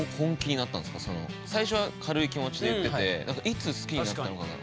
最初は軽い気持ちで言ってていつ好きになったのかな。